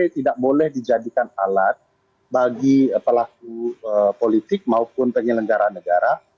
tidak boleh dijadikan alat bagi pelaku politik maupun penyelenggara negara